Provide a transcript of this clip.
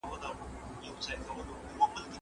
حیات الله په خپل تنکي ځوانۍ کې د غره سر ته ختلی و.